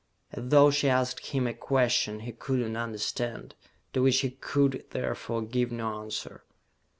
As though she asked him a question he could not understand, to which he could therefore give no answer.